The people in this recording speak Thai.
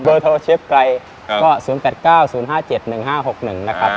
โดยโทรเชฟไกลก็๐๘๙๐๕๗๑๕๖๑นะครับ